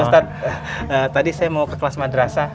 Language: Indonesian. ustadz tadi saya mau ke kelas madrasah